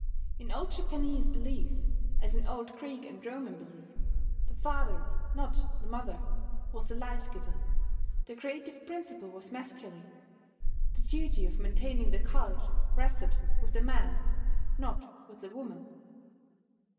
In old Japanese belief, as in old Greek and Roman belief, the father, not the mother, was the life giver; the creative principle was masculine; the duty of maintaining the cult rested with the man, not with the woman.